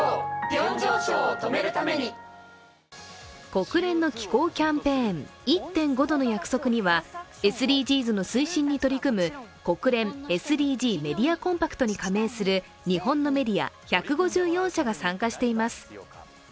国連の気候キャンペーン「１．５℃の約束」にはＳＤＧｓの水深に取り組む国連ＳＤＧｓメディアコンパクトに加盟する日本のメディア１５４社が参加しています。